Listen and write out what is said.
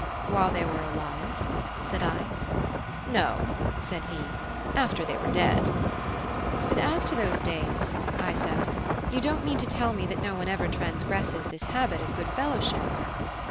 "While they were alive?" said I. "No," said he, "after they were dead." "But as to these days," I said; "you don't mean to tell me that no one ever transgresses this habit of good fellowship?"